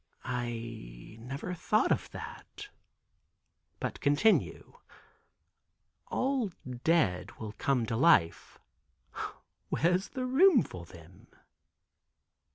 "I never thought of that," but continue: "All dead will come to life." "Where is the room for them?"